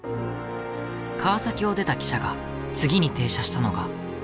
川崎を出た汽車が次に停車したのが。